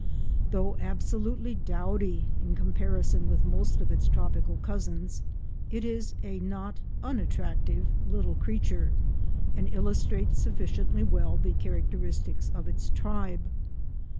Though absolutely dowdy in comparison with most of its tropical cousins, it is a not unattractive little creature, and illustrates sufficiently well the characteristics of its tribe.